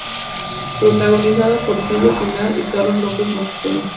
Protagonizada por Silvia Pinal y Carlos López Moctezuma.